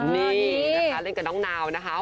นี่นะคะเล่นกับน้องนาวนะคะ